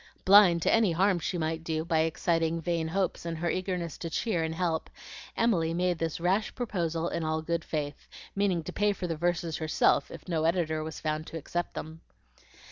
Blind to any harm she might do by exciting vain hopes in her eagerness to cheer and help, Emily made this rash proposal in all good faith, meaning to pay for the verses herself if no editor was found to accept them.